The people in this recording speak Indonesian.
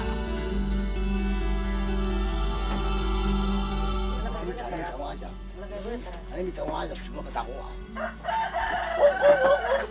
kami menikmati hasil buruan siang tadi dalam piring kayu lulak